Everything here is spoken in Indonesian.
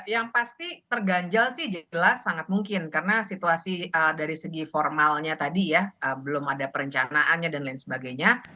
yang pasti terganjal sih jelas sangat mungkin karena situasi dari segi formalnya tadi ya belum ada perencanaannya dan lain sebagainya